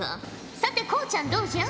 さてこうちゃんどうじゃ？